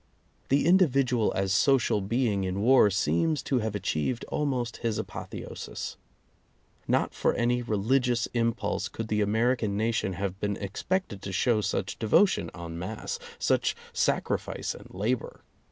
The individual as social being in war seems to have achieved almost his apotheosis. Not for any religious impulse could the American nation have been expected to show such devotion en masse, such sacrifice and labor.